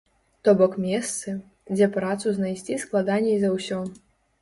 То бок месцы, дзе працу знайсці складаней за ўсё.